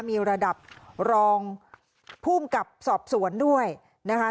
มีระดับรองภูมิกับสอบสวนด้วยนะคะ